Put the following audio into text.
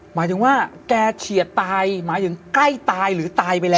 หมายถึงว่าแกเฉียดตายหมายถึงใกล้ตายหรือตายไปแล้ว